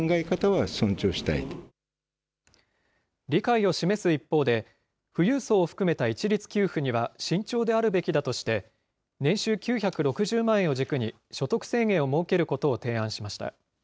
理解を示す一方で、富裕層を含めた一律給付には慎重であるべきだとして、年収９６０万円を軸に、所得制限を設けることを提案しました。